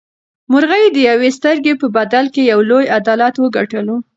مرغۍ د یوې سترګې په بدل کې یو لوی عدالت وګټلو.